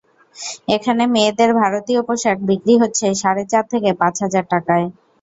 এখানে মেয়েদের ভারতীয় পোশাক বিক্রি হচ্ছে সাড়ে চার থেকে পাঁচ হাজার টাকায়।